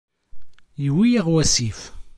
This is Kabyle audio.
Iwwi-aɣ wasif.